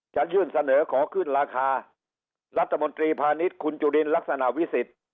จะยื่นเสนอขอขึ้นราคารัฐมนตรีพาณิชย์คุณจุลินลักษณะวิสิทธิ์